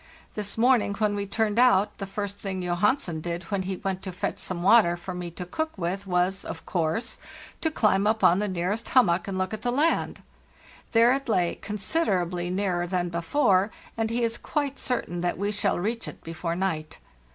This morning, when we turned out, the first thing Johansen did when he went to fetch some water for me to cook with was, of course, to climb up on the nearest hummock and look at the land. There it lay, considerably nearer than before, and he is quite certain that we shall reach it before night."